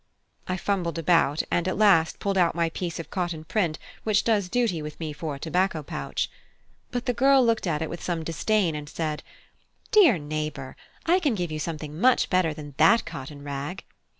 I fumbled about, and at last pulled out my piece of cotton print which does duty with me for a tobacco pouch. But the girl looked at it with some disdain, and said "Dear neighbour, I can give you something much better than that cotton rag."